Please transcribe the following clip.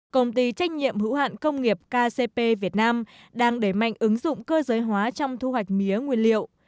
công ty trách nhiệm hữu hạn công nghiệp kcp việt nam đang đẩy mạnh ứng dụng cơ giới hóa trong thu hoạch mía nguyên liệu